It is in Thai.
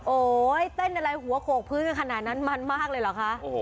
เต้นอะไรหัวโขกพื้นกันขนาดนั้นมันมากเลยเหรอคะ